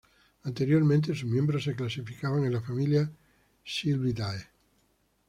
Anteriormente sus miembros se clasificaban en la familia "Sylviidae".